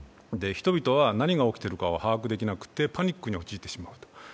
人々は何が起きているかを把握できなくてパニックに陥ってしまうと。